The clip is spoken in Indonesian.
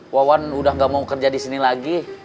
wawan udah gak mau kerja disini lagi